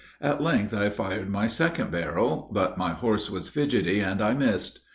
At length I fired my second barrel, but my horse was fidgety, and I missed.